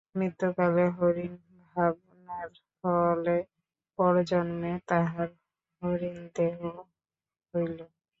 মৃত্যুকালে হরিণ-ভাবনার ফলে পরজন্মে তাঁহার হরিণ-দেহ হইল।